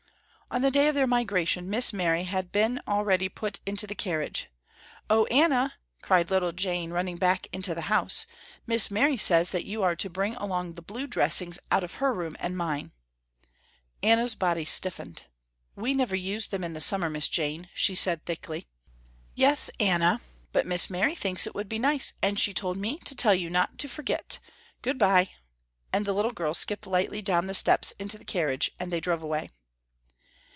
On the day of their migration, Miss Mary had been already put into the carriage. "Oh, Anna!" cried little Jane running back into the house, "Miss Mary says that you are to bring along the blue dressings out of her room and mine." Anna's body stiffened, "We never use them in the summer, Miss Jane," she said thickly. "Yes Anna, but Miss Mary thinks it would be nice, and she told me to tell you not to forget, good by!" and the little girl skipped lightly down the steps into the carriage and they drove away.